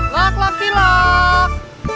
lak lak silak